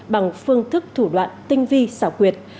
bằng phương thức thủ đoạn tinh vi xảo quyệt